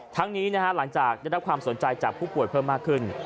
ทั้งนี้หลังจากได้รับความสนใจจากผู้ป่วยเพิ่มมากขึ้น